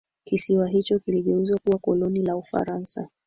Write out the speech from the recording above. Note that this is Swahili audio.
kisiwa hicho kiligeuzwa kuwa koloni la ufaransa